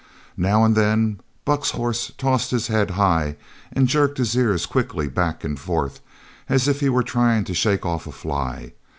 Now and then Buck's horse tossed his head high and jerked his ears quickly back and forth as if he were trying to shake off a fly.